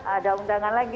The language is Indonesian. ada undangan lagi